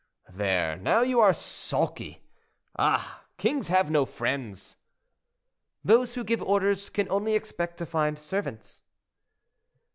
"There, now you are sulky. Ah! kings have no friends." "Those who give orders can only expect to find servants."